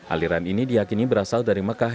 aliran ini diakini berasal dari mekah